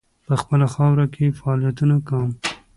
په خپله خاوره کې فعالیتونه کوم.